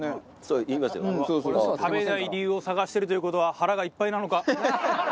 食べない理由を探してるという事は腹がいっぱいなのか？